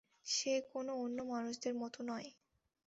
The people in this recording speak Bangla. সে কোন অন্য মানুষদের মতো নয়?